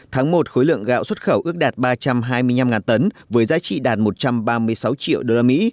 tháng một khối lượng gạo xuất khẩu ước đạt ba trăm hai mươi năm tấn với giá trị đạt một trăm ba mươi sáu triệu đô la mỹ